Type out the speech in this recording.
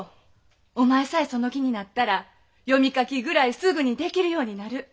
お前さえその気になったら読み書きぐらいすぐにできるようになる。